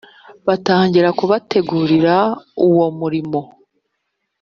batangira kubategurira uwo murimo.